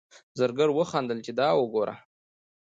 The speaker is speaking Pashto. زرګر وخندل چې دا وګوره.